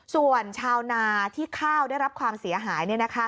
ส่วนชาวนาที่ข้าวได้รับความเสียหาย